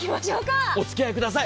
おつきあいください。